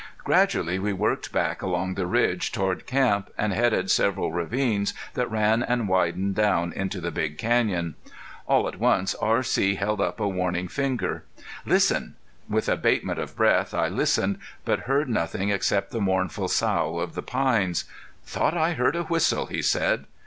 Gradually we worked back along the ridge toward camp, and headed several ravines that ran and widened down into the big canyon. All at once R.C. held up a warning finger. "Listen!" With abatement of breath I listened, but heard nothing except the mournful sough of the pines. "Thought I heard a whistle," he said.